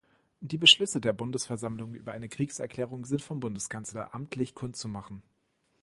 Die Beschlüsse der Bundesversammlung über eine Kriegserklärung sind vom Bundeskanzler amtlich kundzumachen.